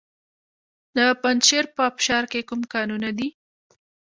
د پنجشیر په ابشار کې کوم کانونه دي؟